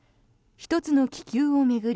１つの気球を巡り